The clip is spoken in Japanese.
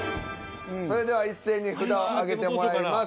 それでは一斉に札を挙げてもらいます。